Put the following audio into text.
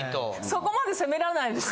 そこまで攻めれないです。